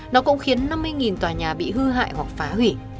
nó cũng khiến năm mươi tòa nhà bị hư hại hoặc phá hủy